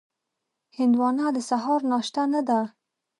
هندوانه د سهار ناشته نه ده.